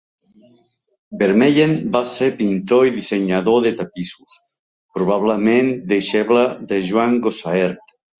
Vermeyen va ser pintor i dissenyador de tapissos, probablement deixeble de Jan Gossaert.